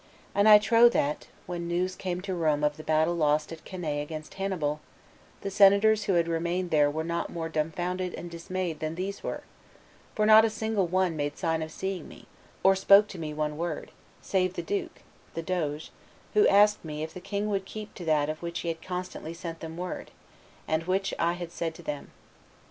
And I trow that, when news came to Rome of the battle lost at Cannae against Hannibal, the senators who had remained there were not more dumbfounded and dismayed than these were; for not a single one made sign of seeing me, or spoke to me one word, save the duke (the doge), who asked me if the king would keep to that of which he had constantly sent them word, and which I had said to them.